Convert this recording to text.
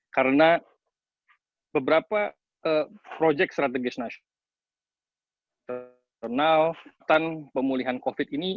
karena beberapa projek strategis nasional tanpa pemulihan covid ini